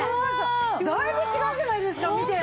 だいぶ違うじゃないですか見て。